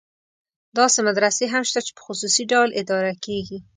داسې مدرسې هم شته چې په خصوصي ډول اداره کېږي.